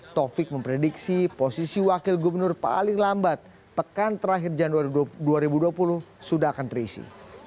taufik memprediksi posisi wakil gubernur paling lambat pekan terakhir januari dua ribu dua puluh sudah akan terisi